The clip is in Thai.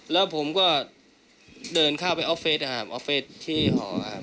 แล้วผมก็เดินเข้าไปออฟเฟสที่หอ